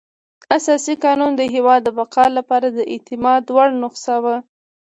اساسي قانون د هېواد د بقا لپاره د اعتماد وړ نسخه وه.